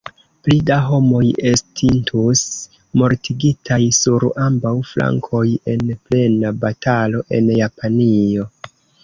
Pli da homoj estintus mortigitaj sur ambaŭ flankoj en plena batalo en Japanio.